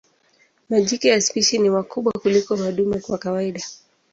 Majike ya spishi ni wakubwa kuliko madume kwa kawaida.